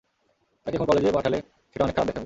তাকে এখন কলেজে পাঠালে সেটা অনেক খারাপ দেখাবে।